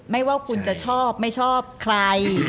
ไม่ว่าคุณจะชอบไม่ชอบใคร